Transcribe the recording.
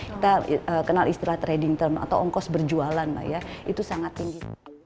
kita kenal istilah trading term atau ongkos berjualan itu sangat tinggi